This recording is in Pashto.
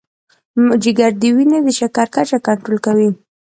جگر د وینې د شکر کچه کنټرول کوي.